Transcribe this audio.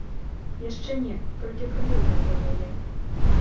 Яшчэ не, толькі прэлюдыя да яе.